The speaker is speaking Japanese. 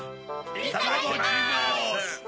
いただきます！